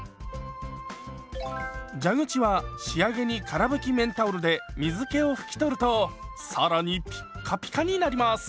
蛇口は仕上げにから拭き綿タオルで水けを拭き取ると更にピッカピカになります。